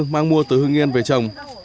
mang mua từ hương nghiên về trồng